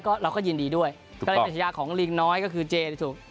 ก็เราก็ยินดีด้วยก็เลยปัชญาของลิงน้อยก็คือเจถูก